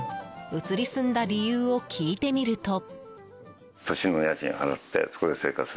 移り住んだ理由を聞いてみると。